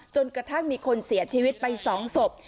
จนกระทั่งมีคนเสียชีวิตไป๒ศพ